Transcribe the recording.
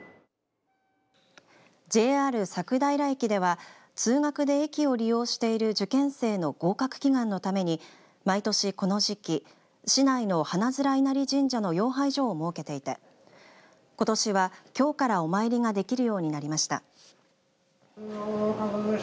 ＪＲ佐久平駅では通学で駅を利用している受験生の合格祈願のために毎年この時期市内の鼻顔稲荷神社のよう拝所を設けていてことしは今日からお参りができるようになりました。